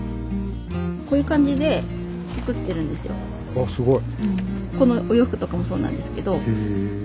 あっすごい。